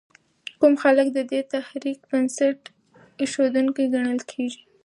کوم خلک د دې تحریک بنسټ ایښودونکي ګڼل کېږي؟